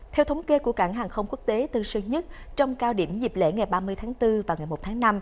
theo thống kê của cảng hàng không quốc tế tân sơn nhất trong cao điểm dịp lễ ngày ba mươi tháng bốn và ngày một tháng năm